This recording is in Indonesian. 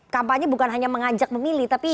kampanye bukan hanya mengajak memilih tapi